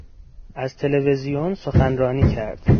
از تلویزیون سخنرانی کرد.